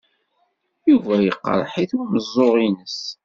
Yuba yeqreḥ-it umeẓẓuɣ-nnes.